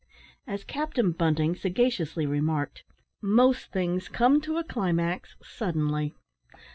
As Captain Bunting sagaciously remarked, "most things come to a climax suddenly."